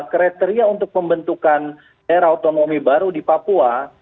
kriteria untuk pembentukan era otonomi baru di papua